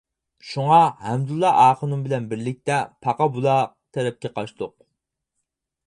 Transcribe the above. شۇڭا، ھەمدۇللا ئاخۇنۇم بىلەن بىرلىكتە پاقا بۇلاق تەرەپكە قاچتۇق.